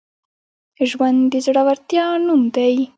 ژوند د زړورتیا نوم دی.